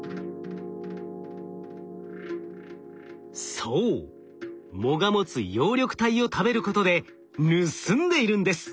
そう藻が持つ葉緑体を食べることで盗んでいるんです。